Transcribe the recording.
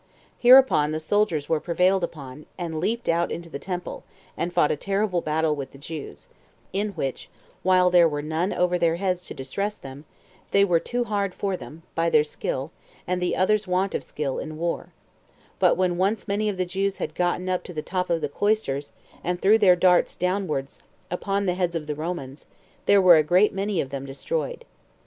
Hereupon the soldiers were prevailed upon, and leaped out into the temple, and fought a terrible battle with the Jews; in which, while there were none over their heads to distress them, they were too hard for them, by their skill, and the others' want of skill, in war; but when once many of the Jews had gotten up to the top of the cloisters, and threw their darts downwards, upon the heads of the Romans, there were a great many of them destroyed.